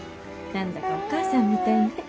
何だかお母さんみたいね。